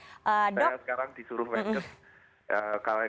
saya sekarang disuruh magnet